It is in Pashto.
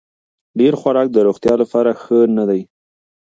ډېر خوراک د روغتیا لپاره ښه نه دی.